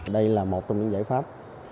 đây là một trong những giải pháp